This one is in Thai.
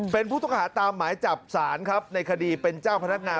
เป็นผู้ต้องหาตามหมายจับศาลครับในคดีเป็นเจ้าพนักงาน